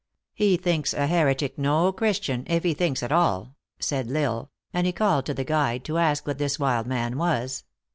" He thinks a heretic no Christian, if he thinks at all," said L Isle ; and he called to the guide, to ask what this wild man was.